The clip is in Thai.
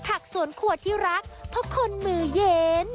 ผักสวนครัวที่รักเพราะคนมือเย็น